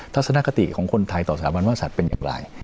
ทัศนคติของคนไทยต่อสถาบันว่าสัตว์เป็นอย่างไร